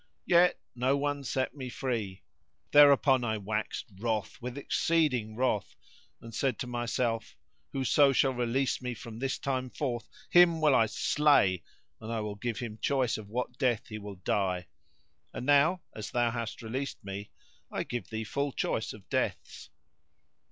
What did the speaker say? Yet no one set me free. Thereupon I waxed wroth with exceeding wrath and said to myself, "Whoso shall release me from this time forth, him will I slay and I will give him choice of what death he will die; and now, as thou hast released me, I give thee full choice of deaths."